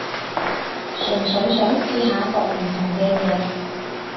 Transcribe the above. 純粹想試下焗唔同嘅嘢